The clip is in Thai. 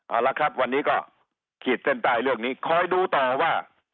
เอาละครับวันนี้ก็ขีดเส้นใต้เรื่องนี้คอยดูต่อว่า